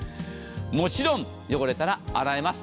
もちろん汚れたら洗えます。